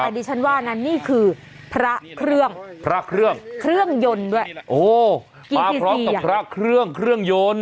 แต่ดิฉันว่านั้นนี่คือพระเครื่องพระเครื่องเครื่องยนต์ด้วยโอ้มาพร้อมกับพระเครื่องเครื่องยนต์